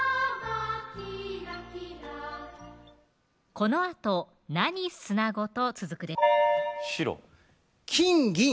このあと何砂子と続くで白きんぎん